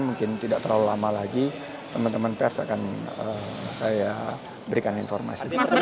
mungkin tidak terlalu lama lagi teman teman pers akan saya berikan informasi